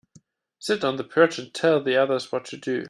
Sit on the perch and tell the others what to do.